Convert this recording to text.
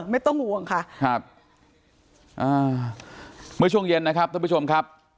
ไม่ต้องห่วงค่ะครับอ่าเมื่อช่วงเย็นนะครับท่านผู้ชมครับ